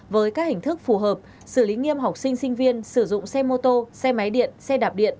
với các hình thức phù hợp xử lý nghiêm học sinh sinh viên sử dụng xe mô tô xe máy điện xe đạp điện